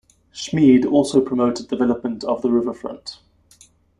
Schmied also promoted development of the riverfront.